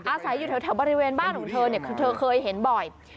อาศัยอยู่แถวบริเวณบ้านของเธอเนี่ยคือเธอเคยเห็นบ่อย